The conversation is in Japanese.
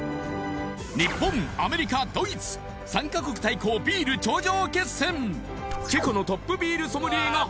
日本アメリカドイツ３カ国対抗ビール頂上